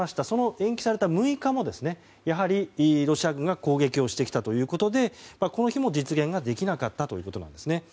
その延期された６日もやはりロシア軍が攻撃をしてきたということでこの日も実現ができなかったということです。